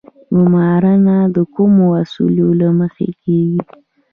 ګمارنه د کومو اصولو له مخې کیږي؟